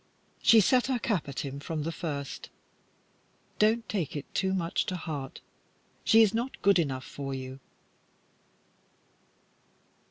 She set her cap at him from the first. Don't take it too much to heart. She is not good enough for you."